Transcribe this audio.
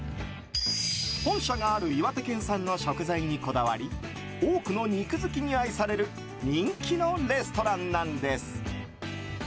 本社がある岩手県産の食材にこだわり多くの肉好きに愛される人気のレストランなんです。